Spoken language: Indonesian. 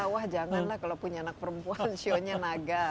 wah janganlah kalau punya anak perempuan shio nya naga